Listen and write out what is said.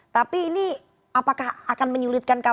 tapi ini apakah akan menyulitkan kpk